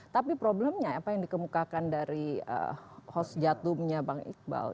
tapi problemnya apa yang dikemukakan dari host jadumnya bang iqbal